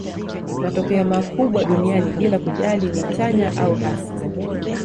matokeo makubwa duniani bila kujali ni chanya au hasi